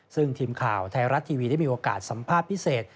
ซึ่งทีมข่าวไทยรัฐทีวีได้มีโอกาสสัมภาษณ์พิเศษ